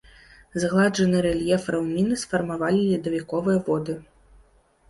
Згладжаны рэльеф раўніны сфармавалі ледавіковыя воды.